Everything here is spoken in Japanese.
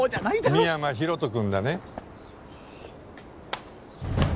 深山大翔君だね？